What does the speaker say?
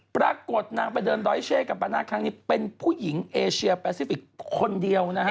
ปรากฏนางไปเดินดอยเช่กัมปนาครั้งนี้เป็นผู้หญิงเอเชียแปซิฟิกคนเดียวนะฮะ